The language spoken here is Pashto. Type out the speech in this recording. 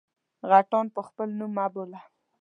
_غټان په خپل نوم مه بوله!